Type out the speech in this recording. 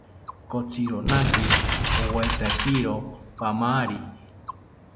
Kotzironaki owaetakiro paamari